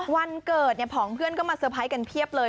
วันเกิดเนี่ยผองเพื่อนก็มาเตอร์ไพรส์กันเพียบเลย